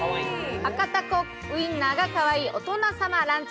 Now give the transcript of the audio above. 赤タコウインナーがかわいい大人様ランチ